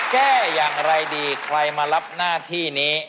แก้อย่างไรดีใครมารับหน้าที่นี้